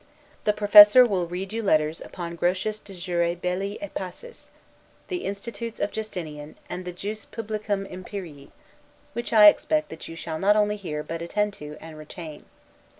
The professor will read you lectures upon 'Grotius de Jure Belli et Pacis,' the 'Institutes of Justinian' and the 'Jus Publicum Imperii;' which I expect that you shall not only hear, but attend to, and retain.